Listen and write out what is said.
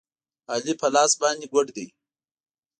علي په لاس باندې ګوډ دی.